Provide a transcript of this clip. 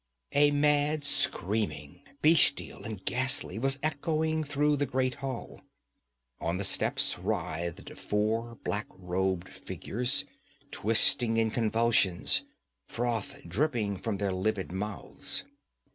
A mad screaming, bestial and ghastly, was echoing through the great hall. On the steps writhed four black robed figures, twisting in convulsions, froth dripping from their livid mouths.